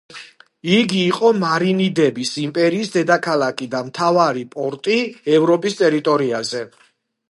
იგი იყო მარინიდების იმპერიის დედაქალაქი და მთავარი პორტი ევროპის ტერიტორიაზე.